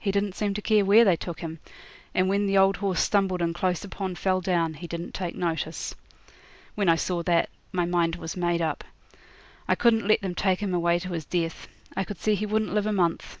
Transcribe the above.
He didn't seem to care where they took him; and when the old horse stumbled and close upon fell down he didn't take notice. When I saw that, my mind was made up. I couldn't let them take him away to his death. I could see he wouldn't live a month.